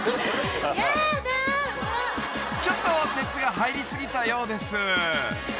［ちょっと熱が入り過ぎたようです］